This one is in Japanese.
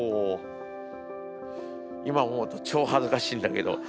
今思うと超恥ずかしいんだけど。